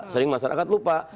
sering masyarakat lupa